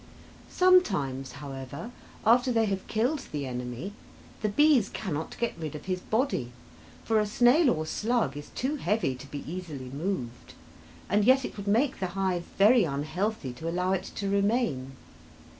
Sometimes, however, after they have killed the enemy, the bees cannot get rid of his body, for a snail or slug is too heavy to be easily moved, and yet it would make the hive very unhealthy to allow it to remain.